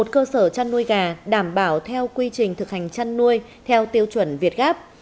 một cơ sở chăn nuôi gà đảm bảo theo quy trình thực hành chăn nuôi theo tiêu chuẩn việt gáp